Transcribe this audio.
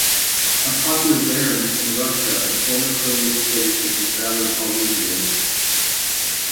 A popular variant in Russia and former Soviet states is the Salad Olivier.